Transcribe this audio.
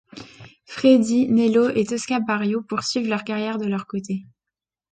Freddy, Nello et Tosca Bario poursuivent leur carrière de leur côté.